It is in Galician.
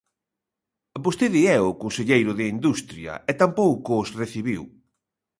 Vostede é o conselleiro de Industria e tampouco os recibiu.